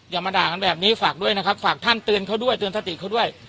อย่ามาด่ากันแบบนี้ฝากด้วยนะครับฝากท่านเตือนเขาด้วยเตือนสติเขาด้วย